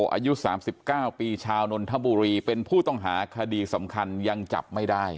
อายุ๓๙ปีชาวนนทบุรีเป็นผู้ต้องหาคดีสำคัญยังจับไม่ได้